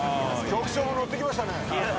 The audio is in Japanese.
局長ものってきましたね。